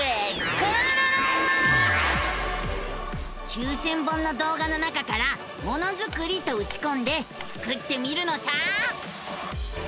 ９，０００本の動画の中から「ものづくり」とうちこんでスクってみるのさ！